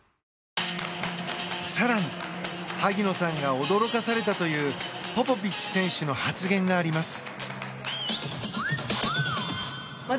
更に、萩野さんが驚かされたというポポビッチ選手の発言があります。